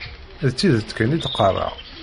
D tidet kan i d-qqareɣ.